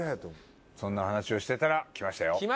そんな話をしてたら来ましたよ。